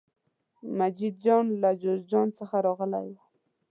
مجید جان له جوزجان څخه راغلی و.